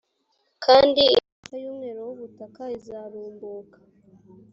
kandi imyaka y umwero w ubutaka izarumbuka